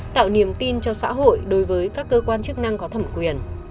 tạo niềm tin cho xã hội đối với các cơ quan chức năng có thẩm quyền